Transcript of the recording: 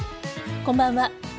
こんばんは。